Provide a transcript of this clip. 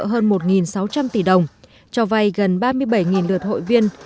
hơn một sáu trăm linh tỷ đồng cho vay gần ba mươi bảy lượt hội viên